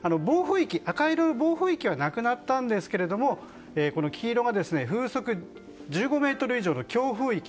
赤色の暴風域はなくなったんですが黄色の風速１５メートル以上の強風域。